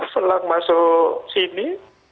selang masuk sini